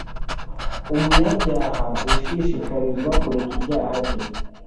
Umunyabyaha, ushishikarizwa kureka ibyaha bye,